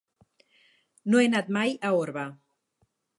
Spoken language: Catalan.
No he anat mai a Orba.